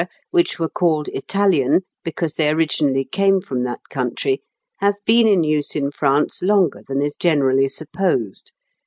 which were called Italian because they originally came from that country, have been in use in France longer than is generally supposed.